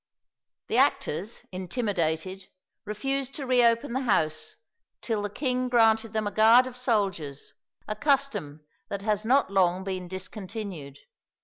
The actors, intimidated, refused to re open the house till the king granted them a guard of soldiers, a custom that has not long been discontinued.